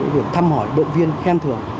để thăm hỏi động viên khen thưởng